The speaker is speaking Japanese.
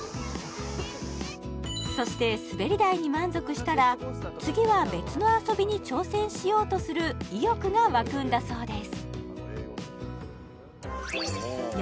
そして滑り台に満足したら次は別の遊びに挑戦しようとする意欲が湧くんだそうです